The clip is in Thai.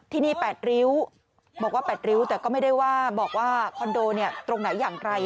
ที่นี่๘ริ้วบอกว่า๘ริ้วแต่ก็ไม่ได้ว่าบอกว่าคอนโดตรงไหนอย่างไร